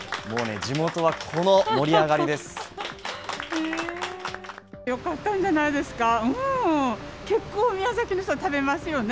もうね、地元は、この盛り上がりです。